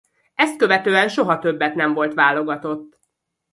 Ezt követően soha többet nem volt válogatott.